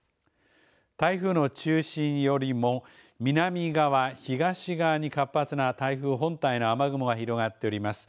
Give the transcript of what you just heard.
台風の中心よりも南側、東側に活発な台風本体の雨雲が広がっております。